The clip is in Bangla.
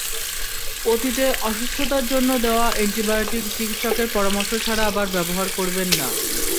অতীতে অসুস্থতার জন্য দেওয়া অ্যান্টিবায়োটিক চিকিৎসকের পরামর্শ ছাড়া আবার ব্যবহার করবেন না।